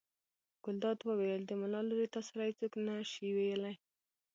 ګلداد وویل: د ملا لورې تا سره یې څوک نه شي ویلی.